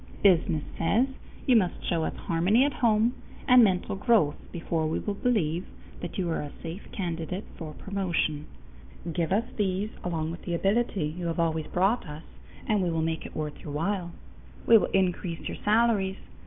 Business says: you must show us harmony at home and mental growth before we will believe that you are a safe candidate for promotion. Give us these along with the ability you have always brought us, and we will make it worth your while. We will increase your salaries.